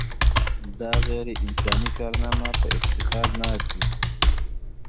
دا غیر انساني کارنامه په افتخار نه ارزي.